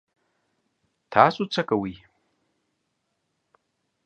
تاسو څه کوئ؟